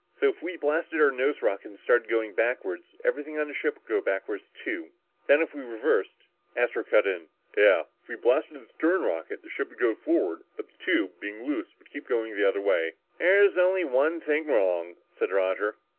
So if we blasted our nose rockets and started going backward, everything on the ship would go backward too, then if we reversed " Astro cut in, "Yeah if we blasted the stern rockets, the ship would go forward, but the tube, being loose, would keep going the other way!" "There's only one thing wrong," said Roger.